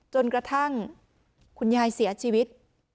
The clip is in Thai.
จนกระทั่งคุณยายเสียชีวิต